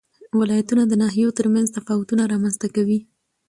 ولایتونه د ناحیو ترمنځ تفاوتونه رامنځ ته کوي.